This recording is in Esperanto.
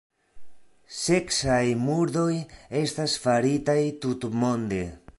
Seksaj murdoj estas faritaj tutmonde.